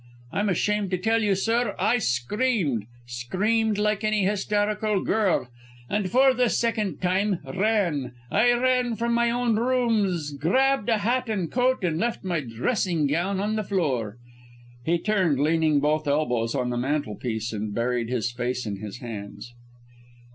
I'm ashamed to tell you, sir; I screamed, screamed like any hysterical girl, and for the second time, ran! I ran from my own rooms, grabbed a hat and coat; and left my dressing gown on the floor!" He turned, leaning both elbows on the mantel piece, and buried his face in his hands.